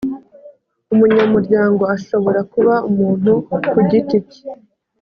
umunyamuryango ashobora kuba umuntu kugiti cye